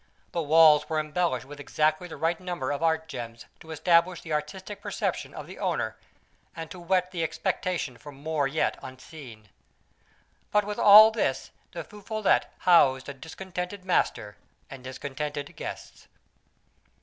The walls were embellished with exactly the right number of art gems to establish the artistic perception of the owner and to whet the expectation for more yet unseen. But, with all this, the Feu Follette housed a discontented master and discontented guests.